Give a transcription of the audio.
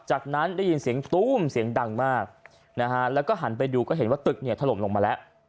จากนั้นได้ยินเสียงตู้มเสียงดังมากนะฮะแล้วก็หันไปดูก็เห็นว่าตึกเนี่ยถล่มลงมาแล้ว